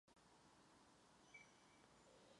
Potřebujeme informační kampaň zaměřenou na rodiče a učitele.